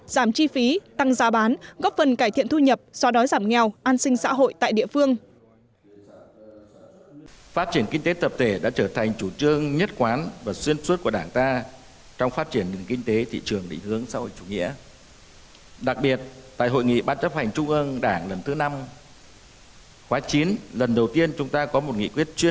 giảm chi phí tăng giá bán góp phần cải thiện thu nhập do đói giảm nghèo an sinh xã hội tại địa phương